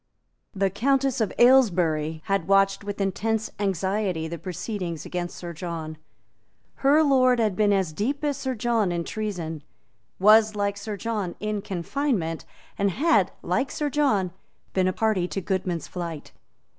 The Countess of Aylesbury had watched with intense anxiety the proceedings against Sir John. Her lord had been as deep as Sir John in treason, was, like Sir John, in confinement, and had, like Sir John, been a party to Goodman's flight.